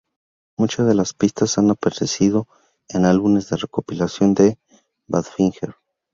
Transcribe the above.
Muchas de las pistas han aparecido en álbumes de recopilación de Badfinger.